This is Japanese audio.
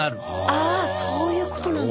あそういうことなんだ。